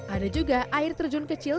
ada juga air terjun kecil